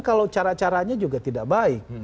kalau cara caranya juga tidak baik